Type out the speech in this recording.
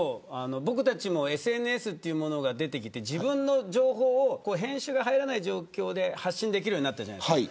僕たちもＳＮＳというものが出てきて自分の情報を編集が入らない状況で発信できるようになったじゃないですか。